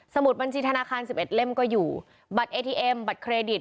มุดบัญชีธนาคาร๑๑เล่มก็อยู่บัตรเอทีเอ็มบัตรเครดิต